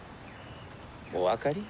お分かり？